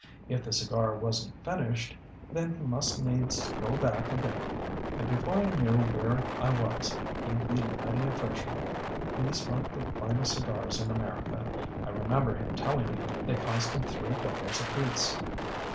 If the cigar wasn't finished, then he must needs stroll back a bit, and before I knew where I was he'd be lighting a fresh one. He smoked the finest cigars in America. I remember him telling me they cost him three dollars apiece."